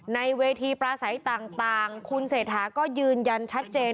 ในเวทีปราศัยต่างคุณเศรษฐาก็ยืนยันชัดเจน